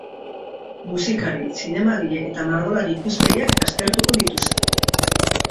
Musikari, zinemagile eta margolari ikuspegiak aztertuko dituzte.